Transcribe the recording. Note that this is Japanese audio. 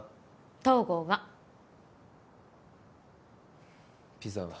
東郷がピザは？